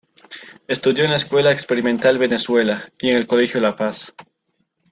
Estudió en la Escuela Experimental Venezuela y en el Colegio La Paz.